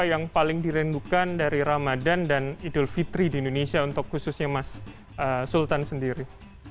yang paling dirindukan dari ramadan dan idul fitri di indonesia untuk khususnya mas sultan sendiri